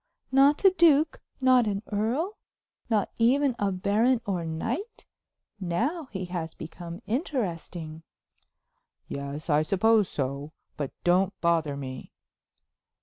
"Not a duke; not an earl; not even a baron or knight? Now he has become interesting." "Yes, I suppose so; but don't bother me."